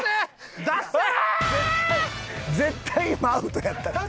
絶対今アウトやったって。